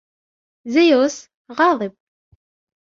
زيوس غاضب.